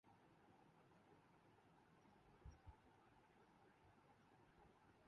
حالانکہ یہ والدین کافرض ہے بچوں کو خودکلینک لےکرجائیں۔